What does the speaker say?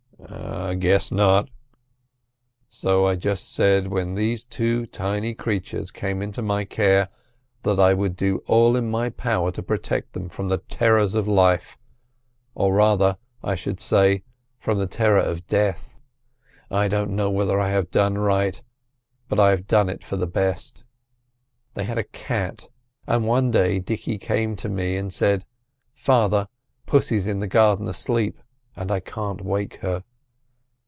"I guess not." "So I just said, when these two tiny creatures came into my care, that I would do all in my power to protect them from the terrors of life—or rather, I should say, from the terror of death. I don't know whether I have done right, but I have done it for the best. They had a cat, and one day Dicky came in to me and said: 'Father, pussy's in the garden asleep, and I can't wake her.